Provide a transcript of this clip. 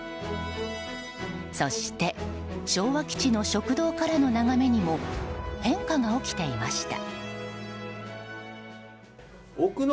そして昭和基地の食堂からの眺めにも変化が起きていました。